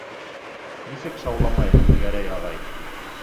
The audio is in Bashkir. Нисек шауламайым, Гәрәй ағай?